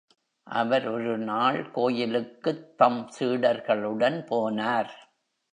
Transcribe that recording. அவர் ஒரு நாள் கோயிலுக்குத் தம் சீடர்களுடன் போனார்.